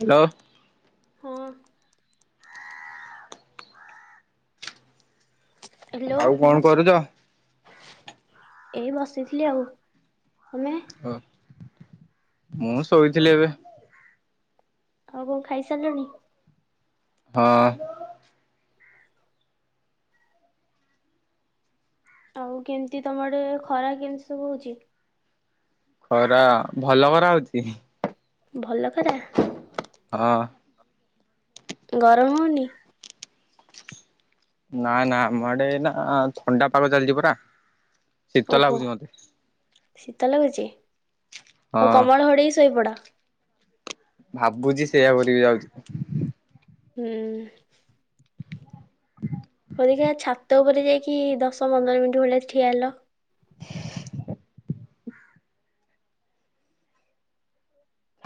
Hello. ହଁ। Hello. ଆଉ କଣ କରୁଛ? ଏ ବସିଥିଲି ଆଉ ତମେ। ଓ ମୁଁ ଶୋଇଥିଲି ଏବେ। ଆଉ କଁ ଖାଇ ସାଇଲଣି। ହଁ। ଆଉ କେମ୍ତି ତମ ଆଡ଼େ ଖରା କେମ୍ତି ସବୁ ହଉଚି? ଖରା ଭଲ ଖରା ହଉଚି। ଭଲ ଖରା। ହଁ। ଗରମ ହଉନି। ନା ନା ଆମ ଆଡେ ଏନା ଥଣ୍ଡା ପାଗ ଚାଲିଚି ପରା। ଶୀତ ଓହୋ ଲାଗୁଛି ମତେ ଶୀତ ଲାଗୁଚି ହଁ ହଉ କମଳ ଘୋଡ଼େଇ ଶୋଇପଡ଼। ଭାବୁଚି ସେୟା କରିବି ଯାଉଚି। ହୁଁ [inaudible] ଅଭିକା ଛାତ ଉପରେ ଯାଇକି ଦଶ ପନ୍ଦର ମିନିଟ୍ ଭଳିଆ ଠିଆ ହେଲ। [inaudible]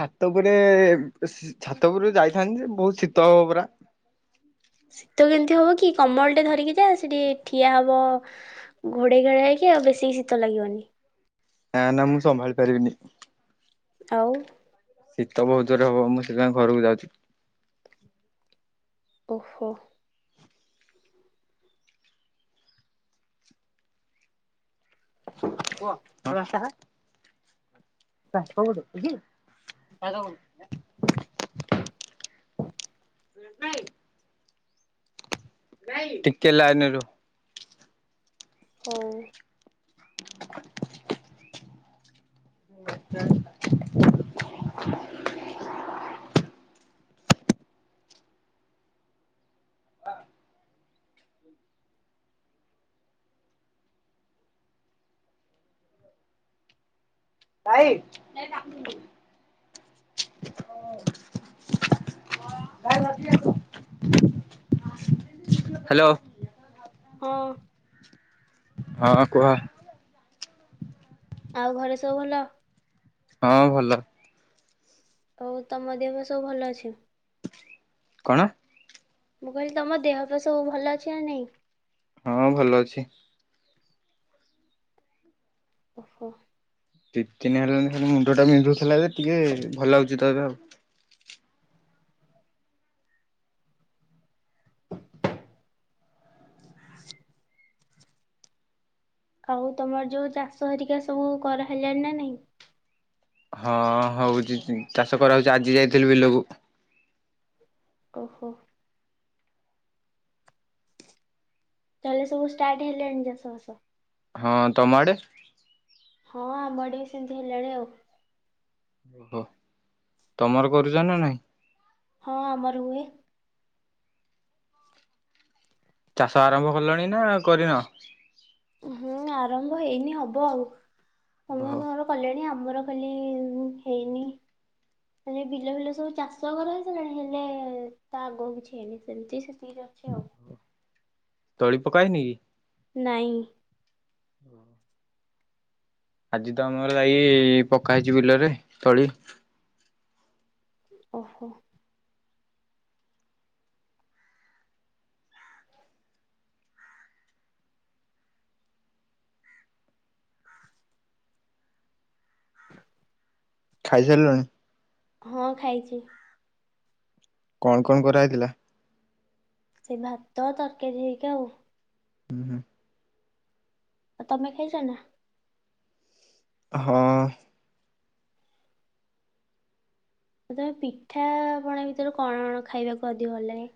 ଛାତ ଉପରେ ଏ ସି ଛାତ ଉପୁରକୁ ଯାଇଥାନ୍ତି ଯେ ବହୁ ଶୀତ ହବ ପରା। ଶୀତ କେମ୍ତି ହବ କି କମଳ ଟେ ଧରିକି ଯାଅ ସେଠି ଠିଆ ହବ ଘୋଡେଇ ଘାଡ଼େଇ ହେଇକି ଆଉ ବେଶୀ ଶୀତ ଲାଗିବନି। ଆଁ ନା ମୁଁ ସମ୍ଭାଳି ପାରିବିନି। ଆଉ ଶୀତ ବହୁ ଜୋରେ ହବ ମୁଁ ସେଥିପାଇଁ ଘରକୁ ଯାଉଚି। ଓହୋ। [inaudible] ପୁଅ ତୋ ବାପା ବା ପାଠ ପଢୁଚି କି ନା କଁ କରୁ [inaudible] ଦିଦି। ଟିକେ ଲାଇନ୍ ରେ ରୁଅ। ହଉ। ହ ଭାଇ [inaudible] ହ୍ୟାଲୋ। ହଁ। ହଁ, କୁହ। ଆଉ ଘରେ ସବୁ ଭଲ? ହଁ, ଭଲ। ହଉ ତମ ଦେହ ପା ସବୁ ଭଲ ଅଛି? କଣ? ମୁଁ କହିଲି ତମ ଦେହପା ସବୁ ଭଲ ଅଛି ନା ନାଇଁ? ହଁ ଭଲ ଅଛି। ଓହୋ। ଦି ଦିନି ହେଲାଣି ତ ମୁଣ୍ଡ ଟା ବିନ୍ଧୁଥିଲା ଯେ ଟିକେ ଭଲ ଲାଗୁଛି ତ ଏବେ ଆଉ। ଆଉ ତମର ଯୋଉ ଚାଷ ହେରିକା ସବୁ କରାହେଲାଣି ନା ନାଇଁ? ହଁ ହଉଛି ଚାଷ କରାହଉଛି, ଆଜି ଯାଇଥିଲି ବିଲକୁ। ଓହୋ! ତାହଲେ ସବୁ ଷ୍ଟାର୍ଟ ହେଲାଣି ଚାଷ ବାଷ? ହଁ ତମ ଆଡେ? ହଁ ଆମଡେବି ସେମିତି ହେଲାଣି ଆଉ। ଓହୋ, ତମର କରୁଛ ନା ନାଇଁ? ହଁ ଆମର ହୁଏ। ଚାଷ ଆରମ୍ଭ କଲଣି ନା କରିନ? ହୁଁ ଆରମ୍ଭ ହେଇନି ହବ ଆଉ, ଓହୋ ସମସ୍ତଙ୍କର କଲେଣି, ଆମର ଖାଲି ହେଇନି। ମାନେ ବିଲ ଫିଲ ସବୁ ଚାଷ କରା ହେଇସାରିଲାଣି, ହେଲେ ତା ଆଗକୁ କିଛି ହେଇନି, ସେମିତି ସି ଠିକ୍ ଅଛି ଆଉ। ତଳି ପକା ହେଇନି କି? ନାହିଁ। ଔ! ଆଜି ତ ଆମର ଲାଇ ପକା ହେଇଛି ବିଲରେ ତଳି। ଓହୋ! ଖାଇସାରିଲୁଣି? ହଁ ଖାଇଛି। କଣ କଣ କରା ହେଇଥିଲା? ସେଇ ଭାତ, ତରକାରୀ ହେଇକି ଆଉ। ହୁଁ ହୁଁ! ଆଉ ତମେ ଖାଇଛ ନା? ହଁ! ତମେ ପିଠାପଣା ଭିତରୁ କଣ କଣ ଖାଇବାକୁ ଅଧିକ ଭଲ ଲାଗେ?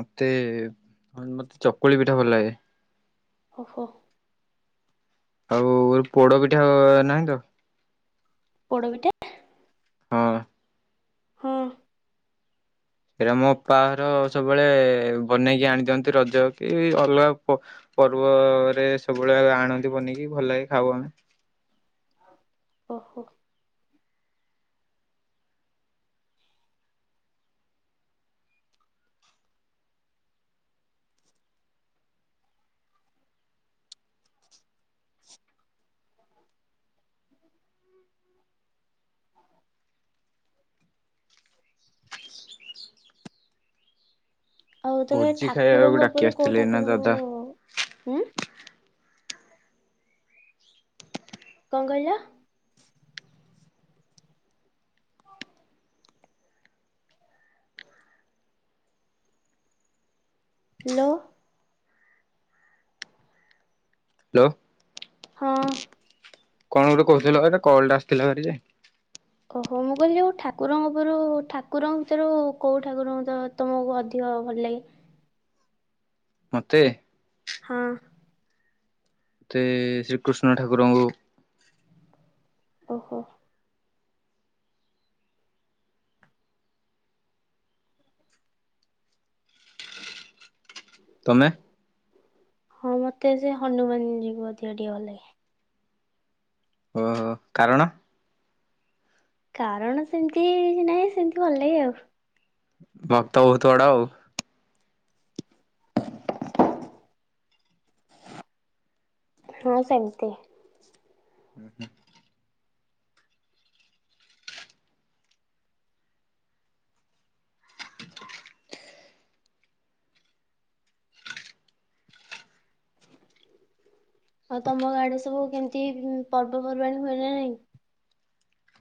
ମତେ, ମତେ ଚକୁଳି ପିଠା ଭଲ ଲାଗେ। ଓହୋ! ଆଉ ପୋଡ ପିଠା ନାହିଁ ତ? ପୋଡ଼ପିଠା ହଁ। ହଁ। ସେଇଟା ମୋ ଅପା ଘର ସବୁବେଳେ ବନେଇକି ଆଣିଦିଅନ୍ତି ରଜ କି ଅଲଗା ପ ପର୍ବରେ ସବୁବେଳେ ଆଣନ୍ତି ବନେଇକି ଭଲ ଲାଗେ ଖାଉ ଆମେ। ଓହୋ। ଆଉ ତମେ ଭୋଜି ଖାଇବାକୁ ଠାକୁରଙ୍କ ଡାକି ଉପରୁ କୋଉ ଆସିଥିଲେ ଏଇନା ଠାକୁରଙ୍କୁ ଦାଦା। ହୁଁ? କଣ କହିଲ? ହ୍ୟାଲୋ। ହ୍ୟାଲୋ। ହଁ। କଣ ଗୋଟେ କହୁଥିଲ? କଲଟା ଆସିଥିଲା ଭାରି ଯେ। ଓହୋ। ମୁଁ କହିଲି ଯଉ ଠାକୁରଙ୍କ ଉପରୁ, ଠାକୁରଙ୍କ ଭିତରୁ କୋଉ ଠାକୁରଙ୍କ ତ ତମକୁ ଅଧିକ ଭଲ ଲାଗେ। ମୋତେ? ହଁ। ମତେ ଶ୍ରୀକୃଷ୍ଣ ଠାକୁରଙ୍କୁ। ଓହୋ। ତମେ? ହଁ ମତେ ସେ ହନୁମାନ ଯୀ କ ଅଧିକ ଟିକେ ଭଲ ଲାଗେ। ଓହୋ। କାରଣ? କାରଣ ସେମିତି କିଛି ନାହିଁ, ସେମତି ଭଲ ଲାଗେ ଆଉ। ଭକ୍ତ ବହୁତ ବଡ଼ ଆଉ। ହଁ ସେମତି। [inaudible] ହଉ ତମ ଗାଡେ ସବୁ କେମିତି ପର୍ବପର୍ବାଣୀ ହୁଏ ନା ନାହିଁ?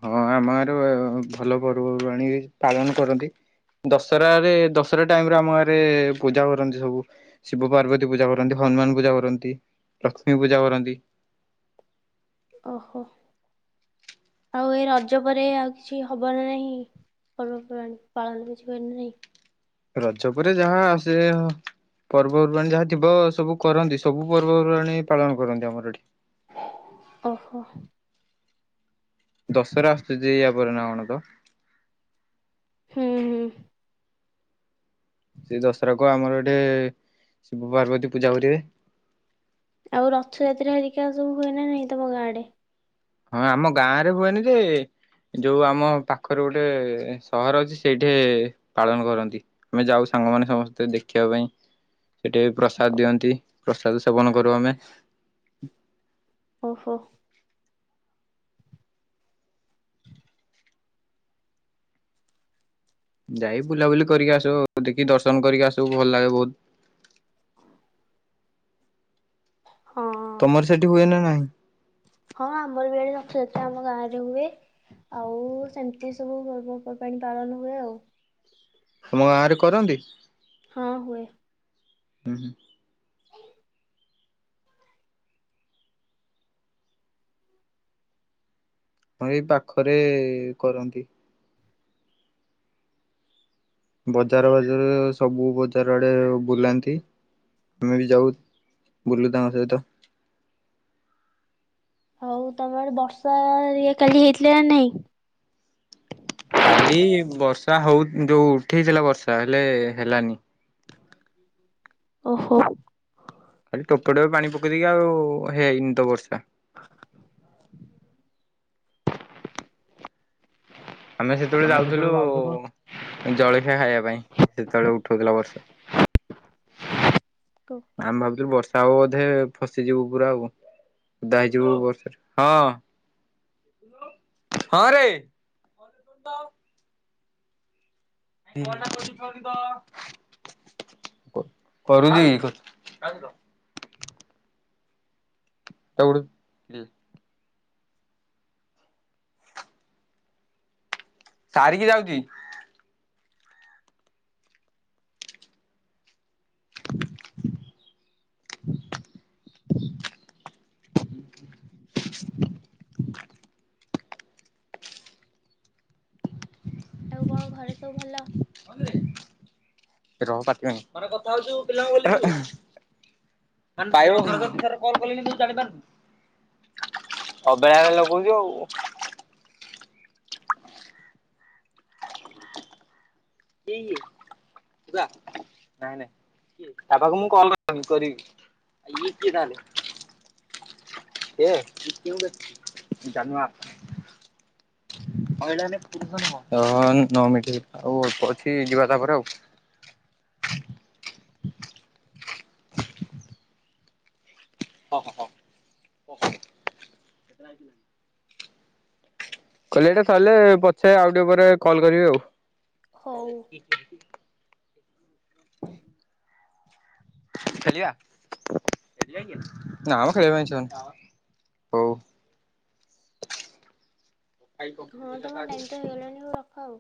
ହଁ ଆମ ଗାଁରେ ଭଲ ପର୍ବପର୍ବାଣୀ ପାଳନ କରନ୍ତି। ଦଶହରାରେ ଦଶହରା ଟାଇମରେ ଆମ ଗାଁରେ ପୂଜା କରନ୍ତି ସବୁ। ଶିବ ପାର୍ବତୀ ପୂଜା କରନ୍ତି। ହନୁମାନ ପୂଜା କରନ୍ତି। ଲକ୍ଷ୍ମୀ ପୂଜା କରନ୍ତି। ଓହୋ। ଆଉ ଏ ରଜ ପରେ ଆଉ କିଛି ହବ ନା ନାହିଁ। ପର୍ବପର୍ବାଣୀ ପାଳନ କିଛି ହୁଏ ନା ନାହିଁ। ରଜ ପରେ ଯାହା ଆସେ। ପର୍ବପର୍ବାଣୀ ଯାହା ଥିବ ସବୁ କରନ୍ତି। ସବୁ ପର୍ବପର୍ବାଣୀ ପାଳନ କରନ୍ତି ଆମର ଏଠି। ଓହୋ। ଦଶହରା ଆସୁଛି ଯେ [unintelligible] ହୁଁ ହୁଁ। ସେ ଦଶହରାକୁ ଆମର ଏଠେ, ଶିବ ପାର୍ବତୀ ପୂଜା କରିବେ। ଆଉ ରଥଯାତ୍ରା ହେରିକା ସବୁ ହୁଏ ନା ନାଇଁ ତମ ଗାଁ ଆଡେ। ହଁ ଆମ ଗାଁରେ ହୁଏନି ଯେ ଯୋଉ ଆମ ପାଖରେ ଗୋଟେ ସହର ଅଛି, ସେଇଠି ପାଳନ କରନ୍ତି। ଆମେ ଯାଉ ସାଙ୍ଗମାନେ ସମସ୍ତେ ଦେଖିବା ପାଇଁ। ସେଠି ପ୍ରସାଦ ଦିଅନ୍ତି। ପ୍ରସାଦ ସେବନ କରୁ ଆମେ ଓହୋ। ଯାଇ ବୁଲାବୁଲି କରିକି ଆସୁ ଆଉ। ଦେଖି ଦର୍ଶନ କରିକି ଆସୁ ଭଲ ଲାଗେ ବହୁତ। ହଁ ତମର ସେଠି ହୁଏ ନା ନାହିଁ? ହଁ ଆମର ଇଆଡ଼େ ରଥଯାତ୍ରା ଆମ ଗାଁରେ ହୁଏ। ଆଉ ସେମିତି ସବୁ ପର୍ବପର୍ବାଣି ପାଳନ ହୁଏ ଆଉ। ତୁମ ଗାଁରେ କରନ୍ତି? ହଁ ହୁଏ। ହୁଁ। ହଁ ଏଇ ପାଖରେ କରନ୍ତି। ବଜାର ବାଜାର ସବୁ ବଜାର ଆଡେ ବୁଲାନ୍ତି। ଆମେ ବି ଯାଉ ବୁଲୁ ତାଙ୍କ ସହିତ। ହଉ ତମ ଆଡ଼େ ବର୍ଷା ହେରିକା କାଲି ହେଇଥିଲା ନା ନାଇଁ? କାଲି ବର୍ଷା ହଉ ଯୋଉ ଉଠେଇଥିଲା ବର୍ଷା ହେଲେ ହେଲାନି। ଓହୋ। ଖାଲି ଟୋପେଟୋପେ ପାଣି ପକେଇଦେଇକି ଆଉ ହେଇନି ତ ବର୍ଷା। [inaudible] ଆମେ ସେତେବେଳେ ଯାଉଥିଲୁ ଜଳଖିଆ ଖାଇବା ପାଇଁ ସେତେବେଳେ ଉଠଉଥିଲା ବର୍ଷା। ଓହୋ ଆମେ ଭାବୁଥିଲୁ ବର୍ଷା ହବ ବୋଧେ ଫସିଯିବୁ ପୁରା ଆଉ। ଉଦା ହେଇଯିବୁ ରେ। [inaudible] [inaudible] [inaudible] ସାରିକି ଯାଉଛି। [inaudible] ଆଉ କଣ ଘରେ ସବୁ ଭଲ? [inaudible] [inaudible] ଅବେଳାରେ‍ ଲଗୋଉଛୁ ଆଉ। [inaudible] ତା ପାଖକୁ ମୁଁ କଲ କରିନି କରିବି। [inaudible] [unintelligible] ନ ମି ଆଉ ଅଳ୍ପ ଅଛି ଯିବା ତାପରେ ଆଉ ହଁ ହଁ ହଁ କହିଲେ ଏଇଟା ପଛେ ଆଉ ଟିକେ ପରେ କଲ୍ କରିବି ଆଉ। ହଉ [inaudible] ଖେଲିିବା ନା ମୋ ଖେଳିବା ପାଇଁ ଇଛା ହେଉନି ହଉ। ହଁ ତମର ଟାଇମ ତ ହେଇଗଲାଣି ରଖ ଆଉ।